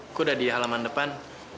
aku udah di halaman depan